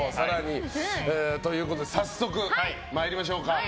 早速参りましょうか。